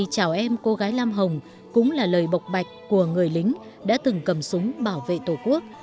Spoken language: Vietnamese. chào em cô gái lam hồng cũng là lời bộc bạch của người lính đã từng cầm súng bảo vệ tổ quốc